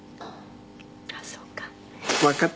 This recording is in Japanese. あっそうか。